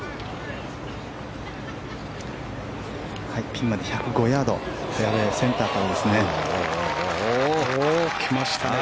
ピンまで１０５ヤードフェアウェーセンターからですね。